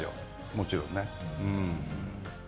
もちろんね。